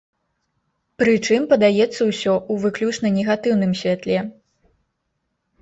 Прычым, падаецца ўсё ў выключна негатыўным святле.